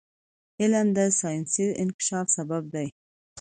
علم د ساینسي انکشاف سبب دی.